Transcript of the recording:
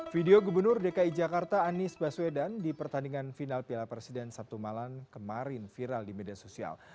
video gubernur dki jakarta anies baswedan di pertandingan final piala presiden sabtu malam kemarin viral di media sosial